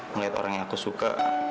ngeliat orang yang aku suka